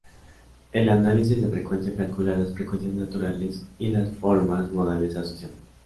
El análisis de frecuencia calcula las frecuencias naturales y las formas modales asociadas.